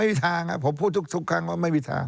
ไม่มีทางผมพูดทุกครั้งว่าไม่มีทาง